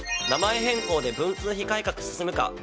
名前変更で文通費改革進むか。